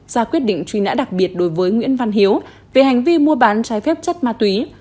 ra quyết định truy nã đặc biệt đối với nguyễn văn hiếu về hành vi mua bán trái phép chất ma túy